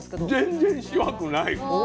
全然しわくない。